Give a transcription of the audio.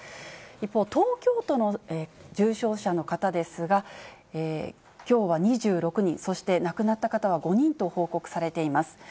一方、東京都の重症者の方ですが、きょうは２６人、そして亡くなった方は５人と報告されています。